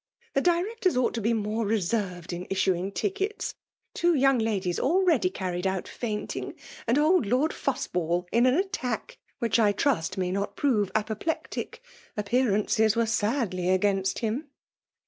The directors ought to be more reserved in issuing tickets. Two young ladies already carried out fainting ; and old Lord Fussball, in an attack, which I trust may not prove apoplectic, — appearances were siidly trains t him.